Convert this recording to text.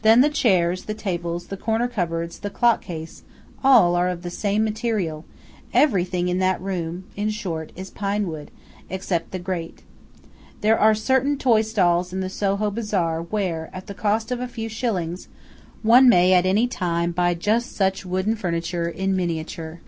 Then the chairs, the tables, the corner cupboards, the clock case, are all of the same material:–everything in the room in short, is pine wood, except the grate. There are certain toy stalls in the Soho Bazaar where, at the cost of a few shillings, one may at any time buy just such wooden furniture, in miniature.